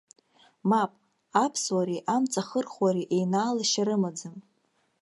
Мап, аԥсуареи амҵахырхәареи еинаалашьа рымаӡам.